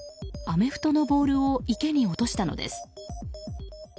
アメフトのボールを池に落としたのです。